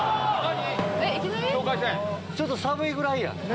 ちょっと寒いぐらいや。